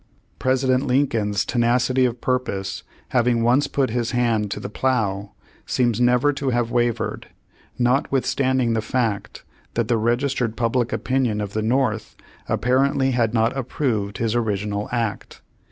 President Lincoln's tenacity of purpose, having once put his hand to the plow, seems never to have wavered, notwithstanding the fact that the reg istered public opinion of the North apparently had not approved his original act.